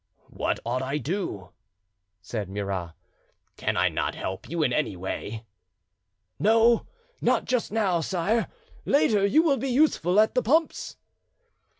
"What ought I to do?" said Murat. "Can I not help you in any way?" "No, not just now, sire; later you will be useful at the pumps."